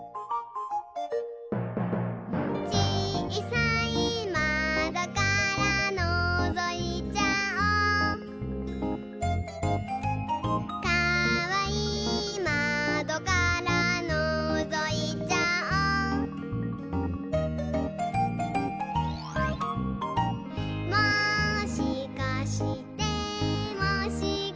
「ちいさいまどからのぞいちゃおう」「かわいいまどからのぞいちゃおう」「もしかしてもしかして」